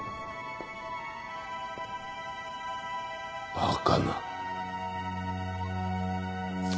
バカな。